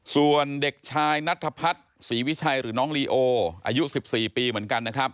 ส่วนเด็กชายนัทพัฒน์ศรีวิชัยหรือน้องลีโออายุ๑๔ปีเหมือนกันนะครับ